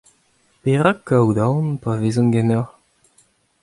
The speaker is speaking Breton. Perak kaout aon pa vezan ganeoc'h ?